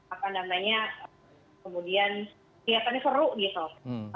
apa namanya kemudian kelihatannya seru gitu